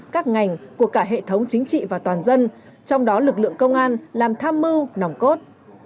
các ngành của cả hệ thống chính trị và toàn dân trong đó lực lượng công an làm tham mưu nòng cốt